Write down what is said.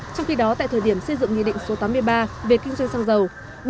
trong khi đó tại thời điểm xây dựng nghị định số tám mươi ba về kinh doanh xăng dầu